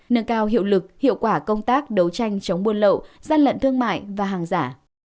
nâng cao hiệu lực hiệu quả công tác đấu tranh chống buôn lậu gian lận thương mại và hàng giả